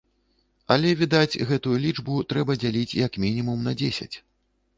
Але, відаць, гэтую лічбу трэба дзяліць як мінімум на дзесяць.